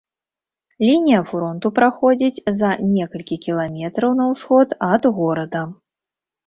Лінія фронту праходзіць за некалькі кіламетраў на ўсход ад горада.